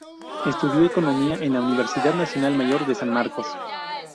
Estudió economía en la Universidad Nacional Mayor de San Marcos.